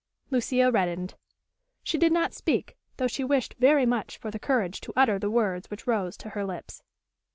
Lucia reddened. She did not speak, though she wished very much for the courage to utter the words which rose to her lips.